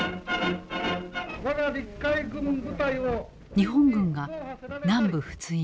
日本軍が南部仏印